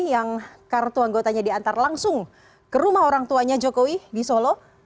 yang kartu anggotanya diantar langsung ke rumah orang tuanya jokowi di solo